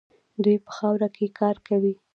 دوی په خاورو کې کار کوي.